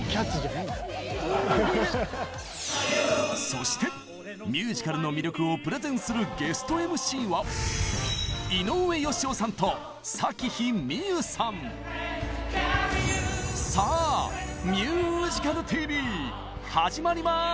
そしてミュージカルの魅力をプレゼンするゲストＭＣはさあ「ミュージカルＴＶ」始まります！